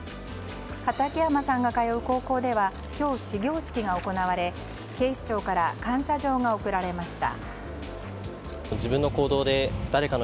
畠山さんが通う高校では今日、始業式が行われ警視庁から感謝状が贈られました。